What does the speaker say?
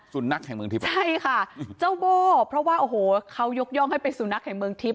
นักแห่งเมืองทิพย์ใช่ค่ะเจ้าโบ้เพราะว่าโอ้โหเขายกย่องให้เป็นสุนัขแห่งเมืองทิพย